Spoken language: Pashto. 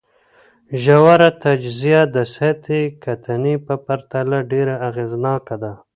ژوره تجزیه د سطحي کتنې په پرتله ډېره اغېزناکه ده.